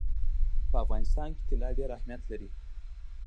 په افغانستان کې طلا ډېر اهمیت لري.